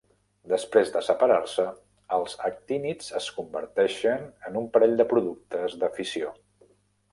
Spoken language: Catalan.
Després de separar-se, els actínids es converteixen en un parell de productes de fissió.